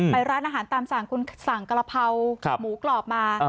ร้านอาหารตามสั่งคุณสั่งกระเพราหมูกรอบมา